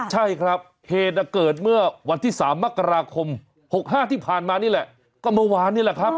ใช่ครับเหตุเกิดเมื่อวันที่๓มกราคม๖๕ที่ผ่านมานี่แหละก็เมื่อวานนี่แหละครับ